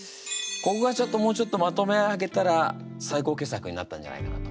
ここはちょっともうちょっとまとめ上げたら最高傑作になったんじゃないかなと。